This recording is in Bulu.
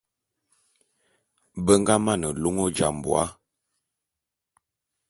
Be nga mane lôn Ojambô'a.